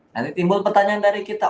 nanti timbul pertanyaan dari kita